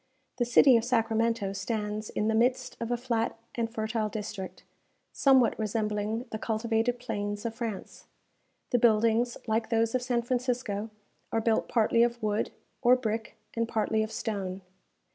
The city of Sacramento stands in the midst of a flat and fertile district, somewhat resembling the cultivated plains of France. The buildings, like those of San Francisco, are built partly of wood, or brick, and partly of stone.